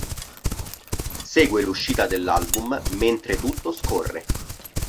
Segue l'uscita dell'album "Mentre tutto scorre".